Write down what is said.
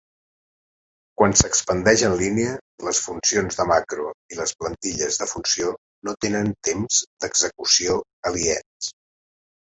Quan s'expandeix en línia, les funcions de macro i les plantilles de funció no tenen temps d'execució aliens.